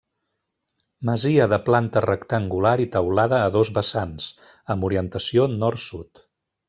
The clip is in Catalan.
Masia de planta rectangular i teulada a dos vessants, amb orientació nord-sud.